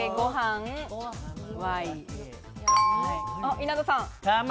稲田さん。